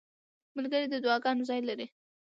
ملګری د دعاګانو ځای لري.